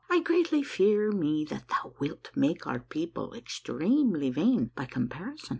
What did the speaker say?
I greatly fear me that thou wilt make our people extremely vain by com parison.